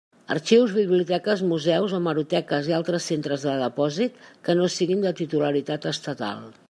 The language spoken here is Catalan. Arxius, biblioteques, museus, hemeroteques i altres centres de depòsit que no siguen de titularitat estatal.